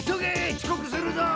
ちこくするぞ！